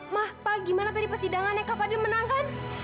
ma pa gimana tadi persidangan yang kava dia menangkan